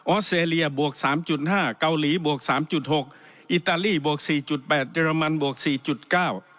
ออสเตรเลียบวก๓๕เกาหลีบวก๓๖อิตาลีบวก๔๘เดรมันบวก๔๙